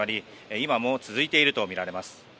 今も続いているとみられます。